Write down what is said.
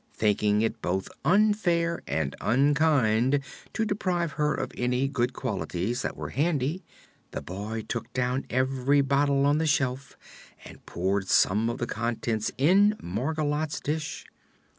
Thinking it both unfair and unkind to deprive her of any good qualities that were handy, the boy took down every bottle on the shelf and poured some of the contents in Margolotte's dish.